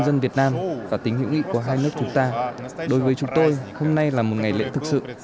đối với chúng tôi hôm nay là một ngày lễ thực sự